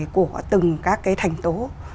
của từng các cái thành tố